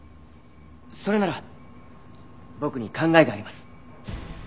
それなら僕に考えがあります。